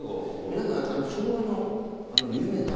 皆さん昭和の有名な。